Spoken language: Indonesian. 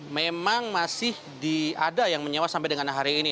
memang masih ada yang menyewa sampai dengan hari ini